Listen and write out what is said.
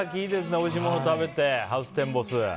おいしいもの食べてハウステンボス。